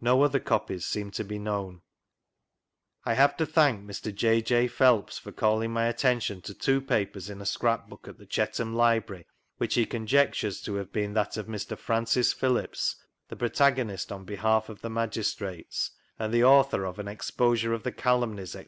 No other copies seem to be known. I have to thank Mr. J. J. Phelps for calling my attention to two papers in a scrap book at the Chetham Library which he conjectures to have been that of Mr. Francis Phillips, the protagonist on behalf of the magistrates, and the author of An Exposure of the Calumnies, &'c.